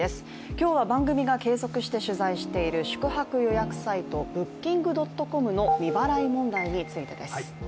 今日は番組が継続して取材している宿泊予約サイトＢｏｏｋｉｎｇ．ｃｏｍの未払い問題についてです。